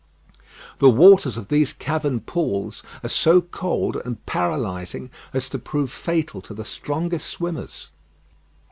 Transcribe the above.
The waters of these cavern pools are so cold and paralysing as to prove fatal to the strongest swimmers.